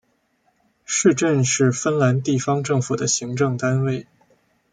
市镇是芬兰地方政府的行政单位。